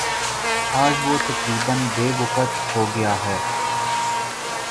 آج وہ تقریبا بے وقعت ہو گیا ہے